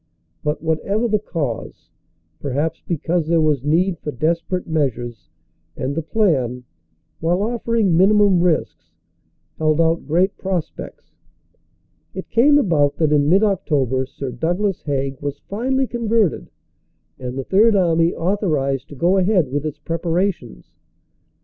But whatever the cause perhaps because there was need for desperate measures, and the plan, while offering minimum risks, held out great pros pects it came about that in mid October Sir Douglas Haig was finally converted and the Third Army authorized to go ahead with its preparations.